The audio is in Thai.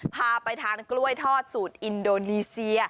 พาไปทานกล้วยทอดสูตรอินโดนีเซีย